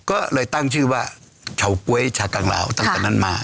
ก็เลยตั้งชื่อว่าเฉาก๊วยชากังลาวตั้งแต่นั้นมา